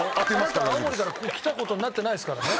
あなた青森からここ来た事になってないですからね。